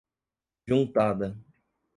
juntada